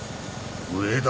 上だ！